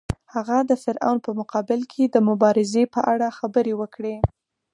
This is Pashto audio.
هغه د فرعون په مقابل کې د مبارزې په اړه خبرې وکړې.